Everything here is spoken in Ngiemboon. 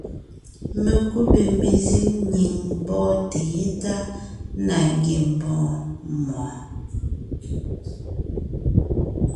Mekúbè mezíŋ nyìŋ mbɔ́ɔnte yétana ngiembɔɔn mɔɔn.